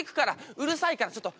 うるさいからちょっと。